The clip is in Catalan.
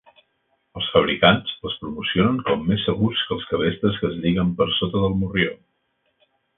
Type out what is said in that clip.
Els fabricants els promocionen com més segurs que els cabestres que es lliguen per sota del morrió.